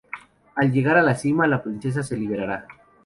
Al llegar a la cima, la princesa se liberará.